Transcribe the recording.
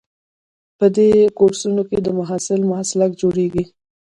په دې کورسونو کې د محصل مسلک جوړیږي.